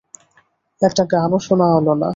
একটা গানও শোনা হল না।